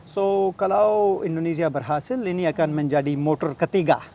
so kalau indonesia berhasil ini akan menjadi motor ketiga